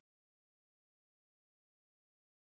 สวัสดีครับคุณผู้ชาย